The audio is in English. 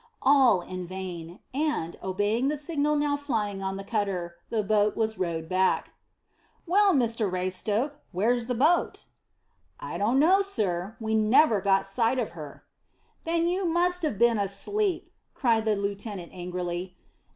All in vain, and, obeying the signal now flying on the cutter, the boat was rowed back. "Well, Mr Raystoke, where's the boat?" "Don't know, sir. We never got sight of her." "Then you must have been asleep," cried the lieutenant angrily.